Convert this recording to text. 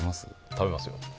食べますよ。